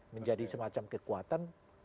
menjadi semacam kekuatan